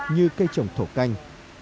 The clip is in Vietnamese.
như cây trồng thổ canh